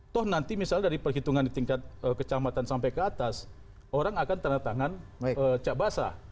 toh nanti misalnya dari perhitungan di tingkat kecamatan sampai ke atas orang akan tanda tangan cak basah